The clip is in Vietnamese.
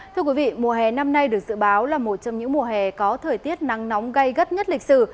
thưa quý vị mùa hè năm nay được dự báo là một trong những mùa hè có thời tiết nắng nóng gây gắt nhất lịch sử